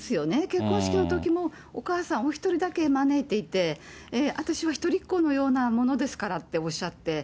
結婚式のときも、お母さんお一人だけ招いていて、私は一人っ子のようなものですからっておっしゃって。